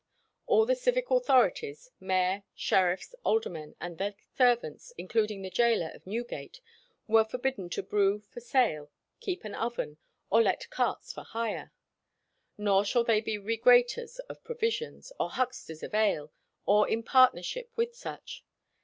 All the civic authorities, mayor, sheriffs, aldermen, and their servants, including the gaoler of Newgate, were forbidden to brew for sale, keep an oven, or let carts for hire; "nor shall they be regrators of provisions, or hucksters of ale, or in partnership with such."